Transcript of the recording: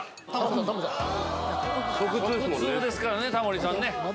食通ですからねタモリさんね。